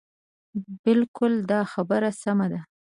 بلکل دا خبره سمه ده.